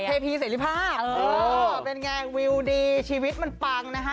เทพีเสรีภาพเออเป็นไงวิวดีชีวิตมันปังนะคะ